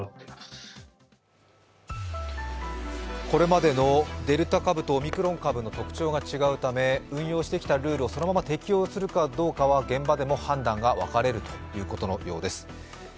これまでのデルタ株とオミクロン株の特徴が違うため運用してきたルールをそのまま適用するかどうかは現場でも判断が分かれるということのようです。